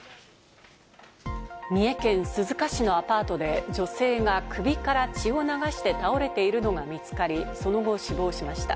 三重県鈴鹿市のアパートで女性が首から血を流して倒れているのが見つかり、その後、死亡しました。